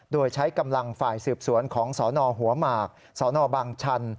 โดยใช้กำลังฝ่ายสืบสวนของสนหัวหมากสนบางชัน